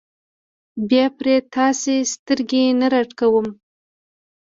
بیا پرې تاسې سترګې نه راډکوم.